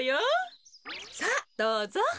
さあどうぞ。